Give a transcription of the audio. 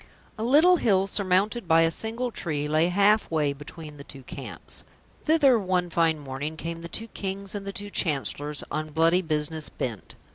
A little hill surmounted by a single tree lay half way between the two camps. Thither one fine morning came the two Kings and the two Chancellors on bloody business bent.